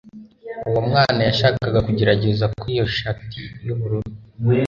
Uwo mwana yashakaga kugerageza kuri iyo shati yubururu